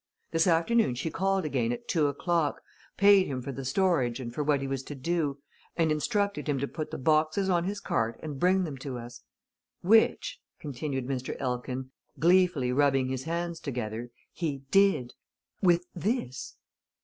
This afternoon she called again at two o'clock, paid him for the storage and for what he was to do, and instructed him to put the boxes on his cart and bring them to us. Which," continued Mr. Elkin, gleefully rubbing his hands together, "he did! With this!